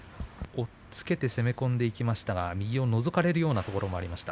押っつけて攻め込んでいきましたが右をのぞかせるようなところがありました。